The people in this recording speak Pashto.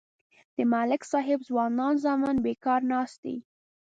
د ملک صاحب ځوانان زامن بیکار ناست دي.